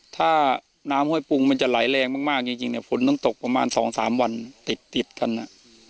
ถ้าน้ำห้วยปรุงมันจะไหลแรงมากจริงเนี่ยฝนต้องตกประมาณ๒๓วันติดติดกันอ่ะ